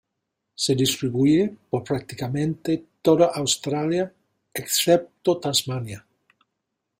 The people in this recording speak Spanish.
Se distribuye por prácticamente toda Australia excepto Tasmania.